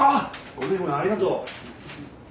ごめんごめんありがとう。